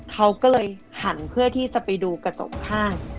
เขาก็เลยหันเพื่อที่จะไปดูกระจกข้าง